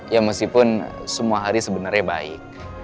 ya meskipun semua hari sebenarnya baik